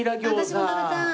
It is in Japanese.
私も食べたい！